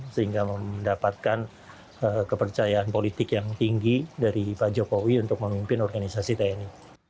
sehingga mendapatkan kepercayaan politik yang tinggi dari pak jokowi untuk memimpin organisasi tni